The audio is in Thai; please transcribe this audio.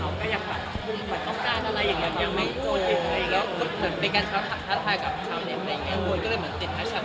แล้วก็เหมือนเป็นการช้าท่ากับเขาเนี่ยไม่งั้นก็เลยเหมือนติดนะใช่ไหม